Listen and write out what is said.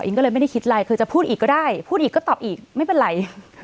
ก็เลยไม่ได้คิดอะไรคือจะพูดอีกก็ได้พูดอีกก็ตอบอีกไม่เป็นไร